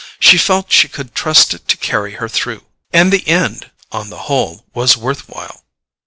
She felt she could trust it to carry her through to the end. And the end, on the whole, was worthwhile.